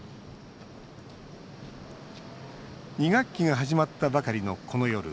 ２学期が始まったばかりのこの夜。